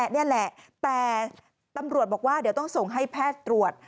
นี่แหละแต่ตำรวจบอกว่าเดี๋ยวต้องส่งให้แพทย์ตรวจ